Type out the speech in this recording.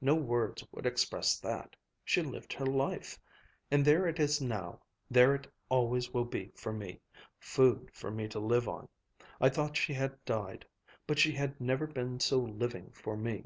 No words would express that. She lived her life. And there it is now, there it always will be for me, food for me to live on. I thought she had died. But she has never been so living for me.